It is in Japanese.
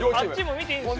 見ていいっすよ。